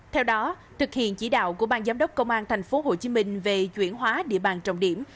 theo đó thực hiện chỉ đạo của bang giám đốc công an tp hcm về chuyển hóa địa bàn trọng điểm